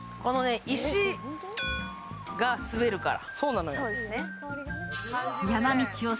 石が滑るから。